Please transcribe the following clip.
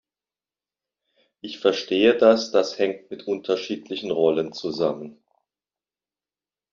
Ich verstehe das, das hängt mit unterschiedlichen Rollen zusammen.